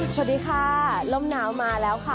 สวัสดีค่ะลมหนาวมาแล้วค่ะ